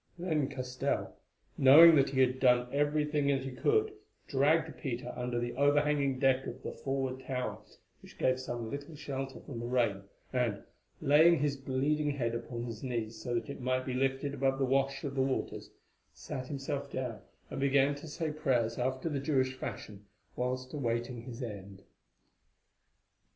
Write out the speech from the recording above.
Then Castell, knowing that he had done everything that he could, dragged Peter under the overhanging deck of the forward tower, which gave some little shelter from the rain, and, laying his bleeding head upon his knees so that it might be lifted above the wash of the waters, sat himself down and began to say prayers after the Jewish fashion whilst awaiting his end.